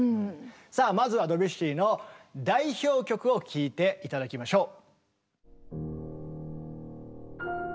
さあまずはドビュッシーの代表曲を聴いて頂きましょう。